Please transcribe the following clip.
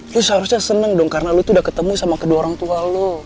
lo seharusnya seneng dong karena lo tuh udah ketemu sama kedua orang tua lo